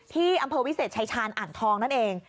ที่อำเภอวิเศษชายชาญอ่างทองนั่นเอง